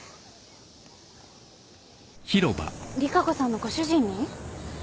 利佳子さんのご主人に？